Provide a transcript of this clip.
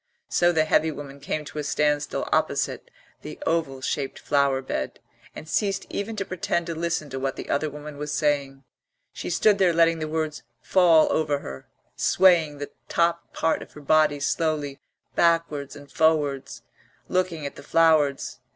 So the heavy woman came to a standstill opposite the oval shaped flower bed, and ceased even to pretend to listen to what the other woman was saying. She stood there letting the words fall over her, swaying the top part of her body slowly backwards and forwards, looking at the flowers.